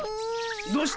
どうした？